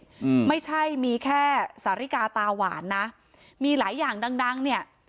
อืมไม่ใช่มีแค่สาริกาตาหวานนะมีหลายอย่างดังดังเนี้ย